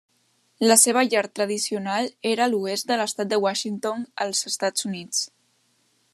La seva llar tradicional era a l'oest de l'estat de Washington als Estats Units.